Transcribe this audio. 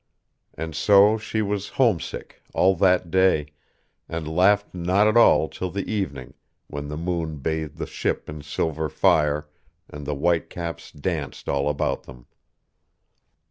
And so she was homesick, all that day, and laughed not at all till the evening, when the moon bathed the ship in silver fire, and the white caps danced all about them.